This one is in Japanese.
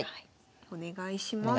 お願いします。